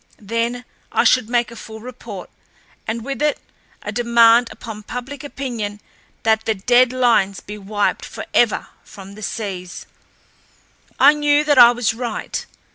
Then I should make a full report, and with it a demand upon public opinion that the dead lines be wiped forever from the seas. I knew that I was right.